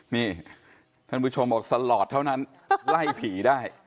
นี่ท่านผู้ชมบอกสลอดเท่านั้นไล่ผีได้